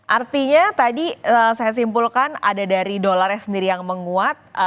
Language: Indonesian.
artinya tadi saya simpulkan ada dari dolarnya sendiri yang menguat